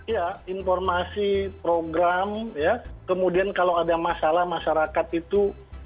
ya informasi program ya kemudian kalau ada masalah masyarakat itu